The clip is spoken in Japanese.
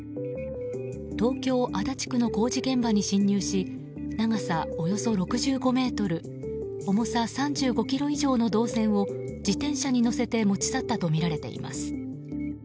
東京・足立区の工事現場に侵入し長さおよそ６５ｍ重さ３５ｋｇ以上の銅線を自転車に乗せて持ち去ったとみられています。